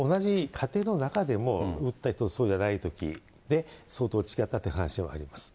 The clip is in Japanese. やっぱり同じ家庭の中でも、打った人とそうじゃない人とで、相当違ったという話があります。